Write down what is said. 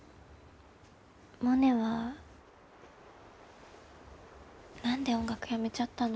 モネは何で音楽やめちゃったの？